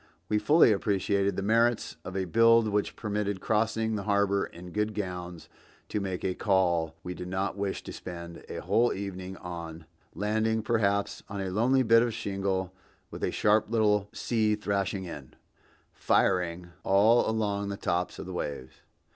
We fully appreciated the merits of a build which permitted crossing the harbor in good gowns to make a call we did not wish to spend a whole evening on, landing perhaps on a lonely bit of shingle with a sharp little sea thrashing in, "firing" all along the tops of the waves.